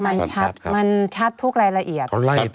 มันชัดทุกรายละเอียด